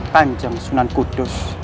panjang sunan kudus